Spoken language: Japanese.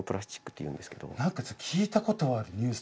何か聞いたことあるニュースとかで。